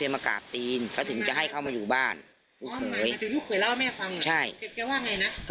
ไม่นานหรอก